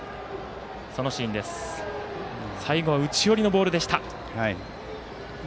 最後は内寄りのボールでした。